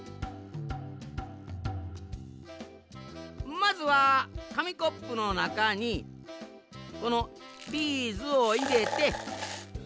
まずはかみコップのなかにこのビーズをいれて。